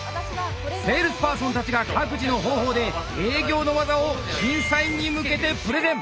セールスパーソンたちが各自の方法で営業の技を審査員に向けてプレゼン。